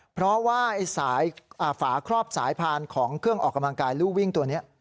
เพราะว่าฝาครอบสายพานของเครื่องออกกำลังกายลูกวิ่งตัวนี้